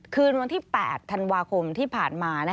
คืนวันที่๘ธันวาคมที่ผ่านมา